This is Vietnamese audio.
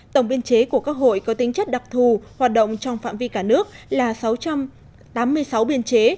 tổng biên chế của các hội có tính chất đặc thù hoạt động trong phạm vi cả nước là sáu trăm tám mươi sáu biên chế